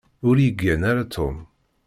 Ur yeggan ara Tom.